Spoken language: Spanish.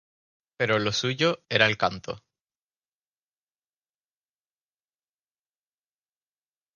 Pero lo suyo era el canto.